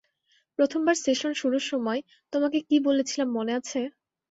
প্রথমবার সেশন শুরুর সময় তোমাকে কি বলেছিলাম মনে আছে?